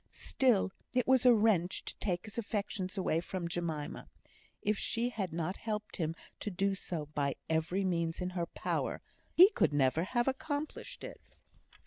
Still, it was a wrench to take his affections away from Jemima. If she had not helped him to do so by every means in her power, he could never have accomplished it.